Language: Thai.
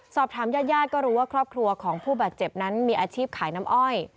สอบถามญาติญาติก็รู้ว่าครอบครัวของผู้บาดเจ็บนั้นมีอาชีพขายน้ำอ้อย